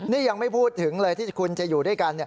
นี่ยังไม่พูดถึงเลยที่คุณจะอยู่ด้วยกัน